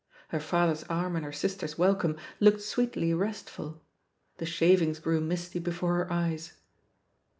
Her father's arm and her sisters' welcome looked sweetly restful; the shavings grew misty before her eyes.